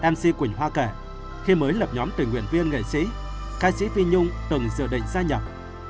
mc quỳnh hoa kể khi mới lập nhóm tình nguyện viên nghệ sĩ ca sĩ phi nhung từng dự định gia nhập